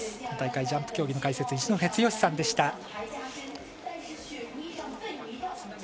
大会ジャンプ競技の解説一戸剛さんでした。